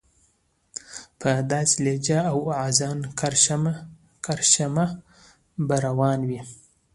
په داسې لهجه او واعظانه کرشمه به روان وي.